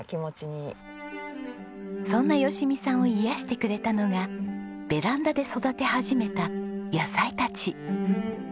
そんな吉美さんを癒やしてくれたのがベランダで育て始めた野菜たち。